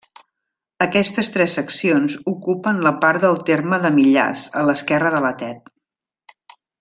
Aquestes tres seccions ocupen la part del terme de Millars a l'esquerra de la Tet.